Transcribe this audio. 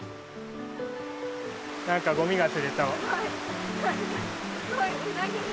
何かゴミが釣れた。